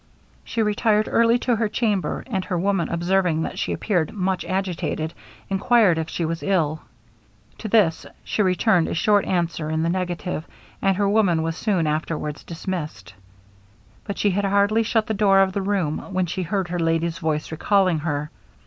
She retired early to her chamber; and her woman observing that she appeared much agitated, inquired if she was ill? To this she returned a short answer in the negative, and her woman was soon afterwards dismissed. But she had hardly shut the door of the room when she heard her lady's voice recalling her.